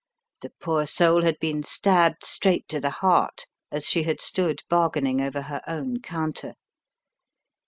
The poor soul had been stabbed straight to the heart as she had stood bargaining over her own counter.